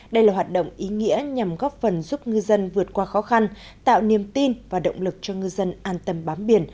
đây là hoạt động ý nghĩa nhằm góp phần giúp ngư dân vượt qua khó khăn tạo niềm tin và động lực cho ngư dân an tâm bám biển